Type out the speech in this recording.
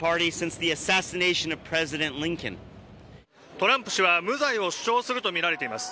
トランプ氏は無罪を主張するとみられています。